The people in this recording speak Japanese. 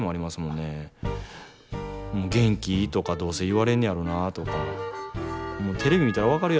元気？とかどうせ言われんねやろなとか。